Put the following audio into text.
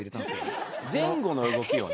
前後の動きをね。